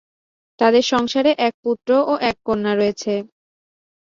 তাঁদের সংসারে এক পুত্র ও এক কন্যা রয়েছে।